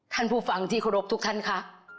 ท่านผู้ฟังที่โครบทุกท่านค่ะ